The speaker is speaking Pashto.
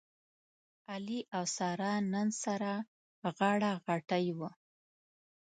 علي او ساره نن سره غاړه غټۍ و.